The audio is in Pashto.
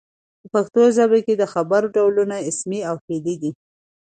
په پښتو ژبه کښي د خبر ډولونه اسمي او فعلي دي.